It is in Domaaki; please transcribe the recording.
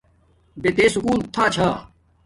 بے تے سکُول تھا چھا